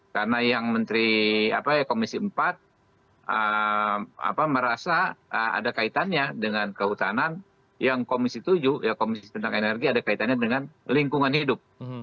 karena yang komisi empat merasa ada kaitannya dengan kehutanan yang komisi tujuh komisi tentang energi ada kaitannya dengan lingkungan hidup